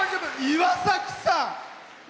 岩崎さん。